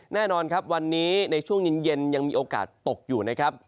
แน่นอนครับวันนี้ในช่วงเย็นยังมีโอกาสตกอยู่นะครับ